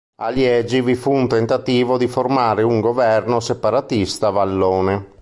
A Liegi, vi fu un tentativo di formare un governo separatista vallone.